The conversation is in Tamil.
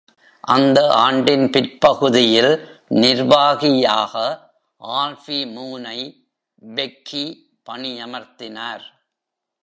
அந்த ஆண்டின் பிற்பகுதியில் நிர்வாகியாக ஆல்ஃபி மூனை பெக்கி பணியமர்த்தினார்.